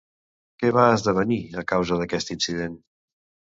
Què va esdevenir, a causa d'aquest incident?